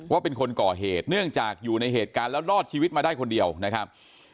ว่าเป็นคนก่อเหตุเนื่องจากอยู่ในเหตุการณ์แล้วรอดชีวิตมาได้คนเดียวนะครับ